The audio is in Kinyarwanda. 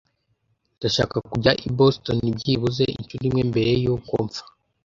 Ndashaka kujya i Boston byibuze inshuro imwe mbere yuko mpfa.